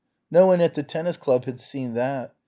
No one at the tennis club had seen that.